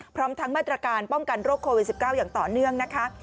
พร้อมทั้งมาตรการป้องกันโรคโควิด๑๙อย่างต่อเนื่องนะคะ